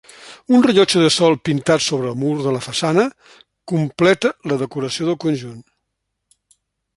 Un rellotge de sol pintat sobre mur de la façana completa la decoració del conjunt.